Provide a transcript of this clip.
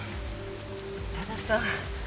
多田さん。